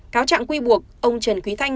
cáo trạng quy buộc ông trần quý thanh